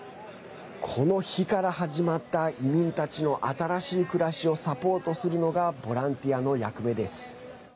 この日から始まった移民たちの新しい暮らしをサポートするのがボランティアの役目です。